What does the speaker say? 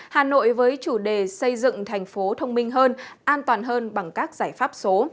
hà nội với chủ đề xây dựng thành phố thông minh hơn an toàn hơn bằng các giải pháp số